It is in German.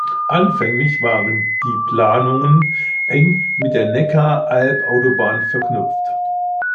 Anfänglich waren die Planungen eng mit der Neckar-Alb-Autobahn verknüpft.